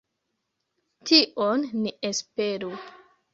Tion ni esperu.